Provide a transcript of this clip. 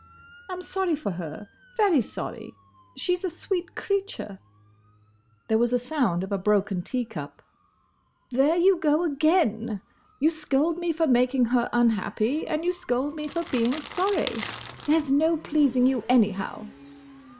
I 'm sorry for her, very sorry. She's a sweet creature." There was a sound of a broken tea cup. "There you go again!—You scold me for making her unhappy, and you scold me for being sorry. There 's no pleasing you anyhow!"